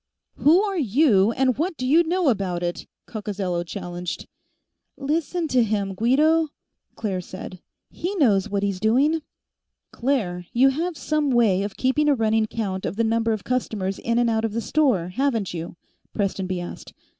"Who are you and what do you know about it?" Coccozello challenged. "Listen to him, Guido," Claire said. "He knows what he's doing." "Claire, you have some way of keeping a running count of the number of customers in and out of the store, haven't you?" Prestonby asked.